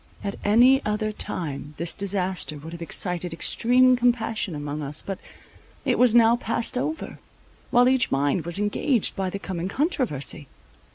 At any other time this disaster would have excited extreme compassion among us; but it was now passed over, while each mind was engaged by the coming controversy.